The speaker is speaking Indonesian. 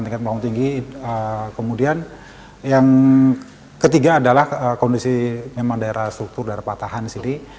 tingkat panggung tinggi kemudian yang ketiga adalah kondisi memang daerah struktur daerah patahan di sini